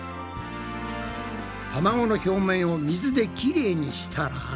卵の表面を水できれいにしたら。